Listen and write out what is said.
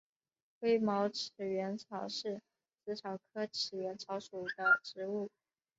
灰毛齿缘草是紫草科齿缘草属的植物。